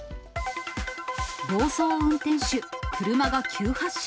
暴走運転手、車が急発進。